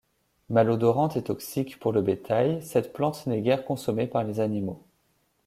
Malodorante et toxique pour le bétail, cette plante n'est guère consommée par les animaux.